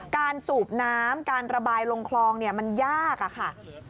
สูบน้ำการระบายลงคลองมันยากอะค่ะ